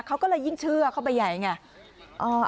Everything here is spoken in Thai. เขาก็เลยยิ่งเชื่อเข้าไปใหญ่ไง